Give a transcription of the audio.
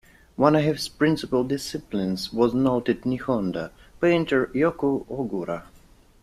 One of his principal disciples was noted "Nihonga" painter Yuki Ogura.